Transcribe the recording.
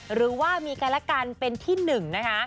หรือว่ามีการละกันเป็นที่๑นะคะ